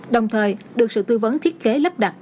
đồng thời được sự tư vấn thiết kế lắp đặt